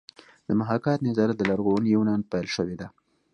د محاکات نظریه له لرغوني یونانه پیل شوې ده